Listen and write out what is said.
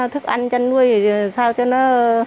thức ăn chăn nuôi thì sao cho nó